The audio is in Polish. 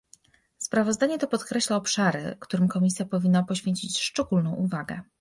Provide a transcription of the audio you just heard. Sprawozdanie to podkreśla obszary, którym Komisja powinna poświęcić szczególną uwagę